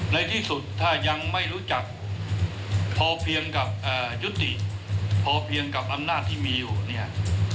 ในที่สุดถ้ายังไม่รู้จักพอเพียงกับยุติพอเพียงกับอำนาจที่มีอยู่เนี่ย